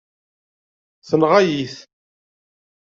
Tenɣa-yi-t.